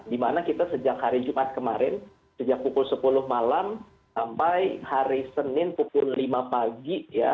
dimana kita sejak hari jumat kemarin sejak pukul sepuluh malam sampai hari senin pukul lima pagi ya